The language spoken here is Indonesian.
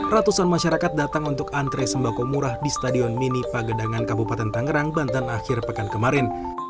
ratusan masyarakat datang untuk antre sembako murah di stadion mini pagedangan kabupaten tangerang banten akhir pekan kemarin